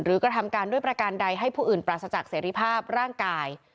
กระทำการด้วยประการใดให้ผู้อื่นปราศจากเสรีภาพร่างกาย